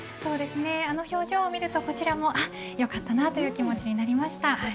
あの表情を見るとこちらもよかったなという気持ちになりました。